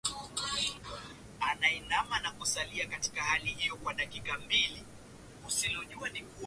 Meza imevunjika.